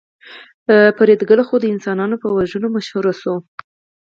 فریدګل خو د انسانانو په وژنه مشهور شوی و